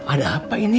ada apa ini